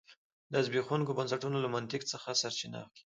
دا د زبېښونکو بنسټونو له منطق څخه سرچینه اخلي